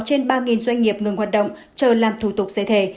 trên ba doanh nghiệp ngừng hoạt động chờ làm thủ tục xây thể